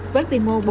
với tiền tài tài liệu